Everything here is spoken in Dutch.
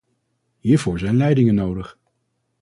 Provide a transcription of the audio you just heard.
Hiervoor zijn leidingen nodig.